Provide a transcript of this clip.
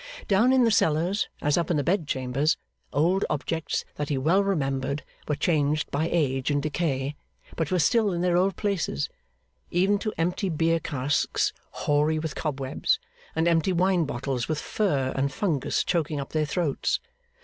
Down in the cellars, as up in the bed chambers, old objects that he well remembered were changed by age and decay, but were still in their old places; even to empty beer casks hoary with cobwebs, and empty wine bottles with fur and fungus choking up their throats.